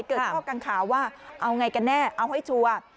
เกิดข้อกังข่าวว่าเอาไงกันแน่เอาให้ชัวร์